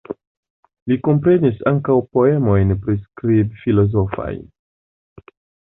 Li komponis ankaŭ poemojn priskrib-filozofajn.